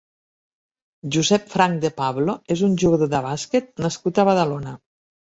Josep Franch de Pablo és un jugador de bàsquet nascut a Badalona.